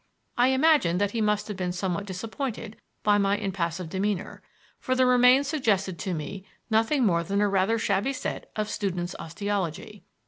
I imagine that he must have been somewhat disappointed by my impassive demeanor, for the remains suggested to me nothing more than a rather shabby set of "student's osteology."